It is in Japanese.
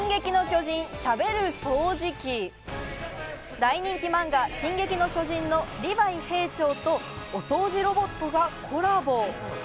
大人気漫画『進撃の巨人』のリヴァイ兵長とお掃除ロボットがコラボ。